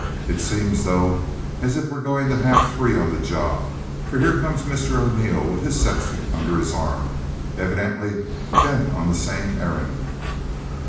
"It seems, though, as if we're going to have three on the job; for here comes Mr O'Neil with his sextant under his arm, evidently bent on the same errand!"